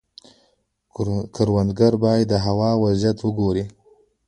کروندګر باید د هوا وضعیت وګوري.